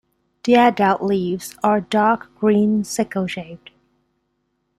The adult leaves are dark green sickle-shaped.